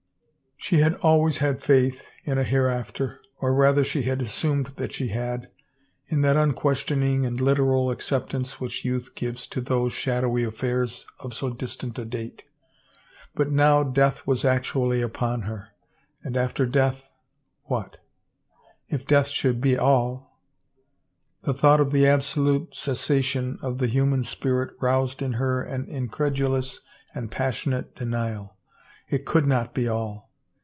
She had always had faith in a hereafter, oi' rather she had assumed that she had, in that unques tioning and literal acceptance which youth gives to those shadowy affairs of so distant a date. But now death was actually upon her. And after death — what? If death should be all — 1 The thought of the absolute ces sation of the human spirit roused in her an incredulous and passionate denial. It could not be all!